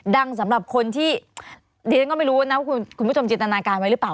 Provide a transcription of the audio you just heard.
สำหรับคนที่ดิฉันก็ไม่รู้นะว่าคุณผู้ชมจินตนาการไว้หรือเปล่า